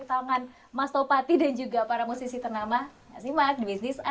tangan mas topati dan juga para musisi ternama simak di bisnis